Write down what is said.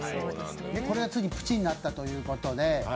これがついにプチになったということで。